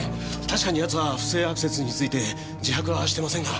確かに奴は不正アクセスについて自白はしてませんが。